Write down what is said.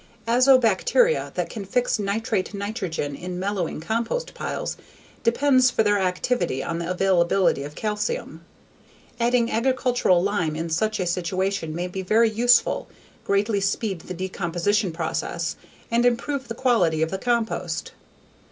Azobacteria, that can fix nitrate nitrogen in mellowing compost piles, depend for their activity on the availability of calcium. Adding agricultural lime in such a situation may be very useful, greatly speed the decomposition process, and improve the quality of the compost.